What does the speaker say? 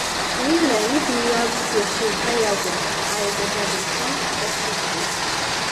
Уи Леонид иаб иашьа иԥа иакәын, ааигәаӡа дынхон, дтаксистын.